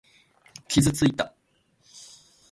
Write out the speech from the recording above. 傷ついた。